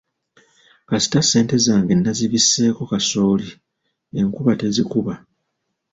Kasita ssente zange nazibiseeko kasooli, enkuba tezikuba.